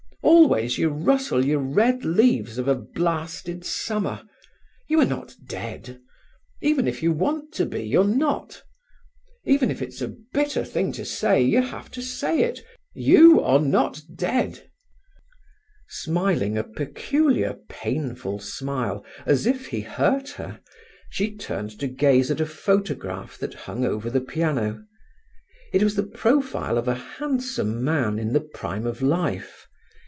Always you rustle your red leaves of a blasted summer. You are not dead. Even if you want to be, you're not. Even if it's a bitter thing to say, you have to say it: you are not dead…." Smiling a peculiar, painful smile, as if he hurt her, she turned to gaze at a photograph that hung over the piano. It was the profile of a handsome man in the prime of life.